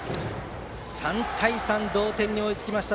３対３同点に追いつきました